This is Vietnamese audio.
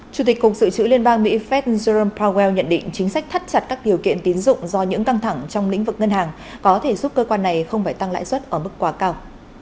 chủ tịch cục sự trữ liên bang mỹ fed jerome powell nhận định chính sách thắt chặt các điều kiện tín dụng do những căng thẳng trong lĩnh vực ngân hàng có thể giúp cơ quan này không phải tăng lãi suất ở mức quá cao